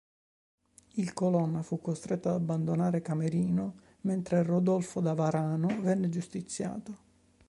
Il Colonna fu costretto ad abbandonare Camerino, mentre Rodolfo da Varano venne giustiziato.